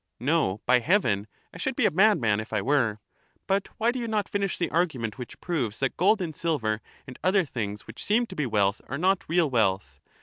No. by heaven. I should be a madman if I were. But why do you not finish the argument which proves that gold and silver and other things which seem to be wealth are not real wealth?